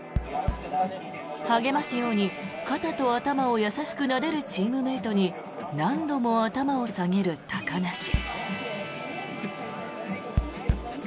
励ますように肩と頭を優しくなでるチームメートに何度も頭を下げる高梨。